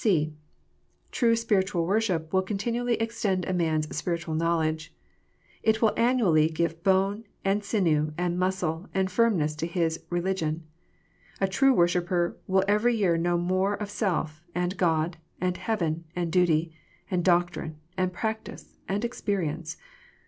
(c) True spiritual worship will continually extend a man s spiritual knoicledye. It will annually give bone, and sinew, and muscle, and firmness to his religion. A true worshipper will every year know more of self, and God, and heaven, and duty, and doctrine, and practice, and experience.